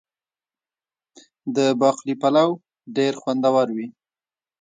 د باقلي پلو ډیر خوندور وي.